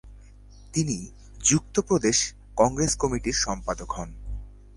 তিনি যুক্ত প্রদেশ কংগ্রেস কমিটির সম্পাদক হন।